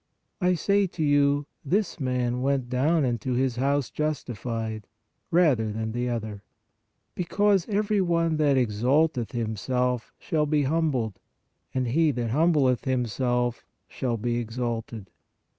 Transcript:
I say to you, this man went down into his house justified, rather than the other; because every one that exalteth himself, shall be humbled ; and he that humbleth himself shall be exalted."